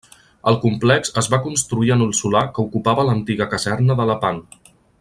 El complex es va construir en el solar que ocupava l'antiga caserna de Lepant.